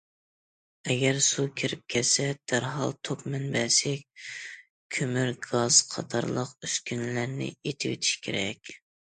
ئەگەر سۇ كىرىپ كەتسە، دەرھال توك مەنبەسى، كۆمۈر گازى قاتارلىق ئۈسكۈنىلەرنى ئېتىۋېتىش كېرەك.